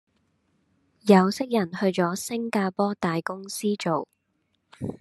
有識人去左星加坡大公司做